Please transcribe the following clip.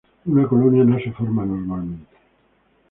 Una colonia no se forma normalmente.